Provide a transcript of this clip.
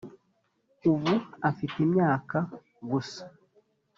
ubu afite imyaka gusa